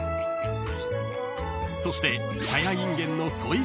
［そして］